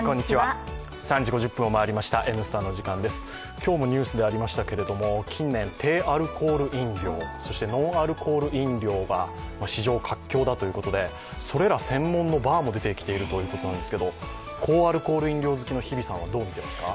今日もニュースでありましたけれども近年、低アルコール飲料、そしてノンアルコール飲料が市場活況だということでそれら専門のバーも出てきているということなんですけれども、高アルコール飲料好きの日比さんはどう見ていますか？